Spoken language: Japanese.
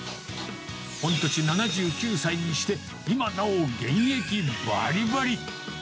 御年７９歳にして、今なお現役ばりばり。